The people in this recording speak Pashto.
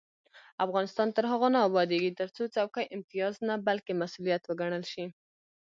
افغانستان تر هغو نه ابادیږي، ترڅو څوکۍ امتیاز نه بلکې مسؤلیت وګڼل شي.